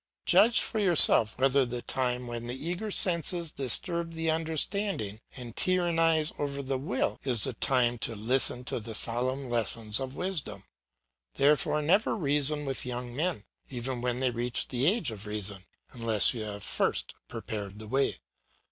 Judge for yourself whether the time when the eager senses disturb the understanding and tyrannise over the will, is the time to listen to the solemn lessons of wisdom. Therefore never reason with young men, even when they have reached the age of reason, unless you have first prepared the way.